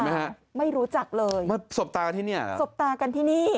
เคยไหมฮะไม่รู้จักเลยสบตากันที่นี่หรอสบตากันที่นี่